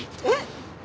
えっ！